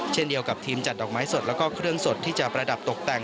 เช่นเดียวกับทีมจัดดอกไม้สดแล้วก็เครื่องสดที่จะประดับตกแต่ง